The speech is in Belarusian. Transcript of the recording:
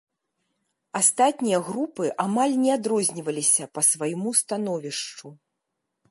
Астатнія групы амаль не адрозніваліся па свайму становішчу.